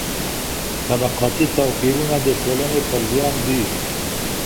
طبقاتي توپیرونه د ټولني پر زیان دي.